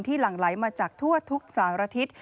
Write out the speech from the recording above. หลั่งไหลมาจากทั่วทุกสารทิศ